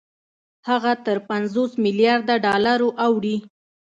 هغه تر پنځوس مليارده ډالرو اوړي